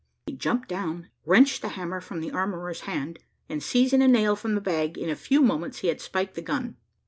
He jumped down, wrenched the hammer from the armourer's hand, and seizing a nail from the bag, in a few moments he had spiked the gun.